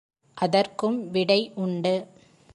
அதற்கும் விடை உண்டு.